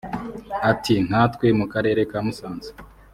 Ati“ Nka twe mu karere ka Musanze